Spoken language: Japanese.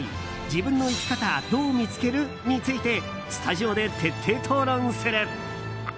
自分の生き方どう見つける？についてスタジオで徹底討論する。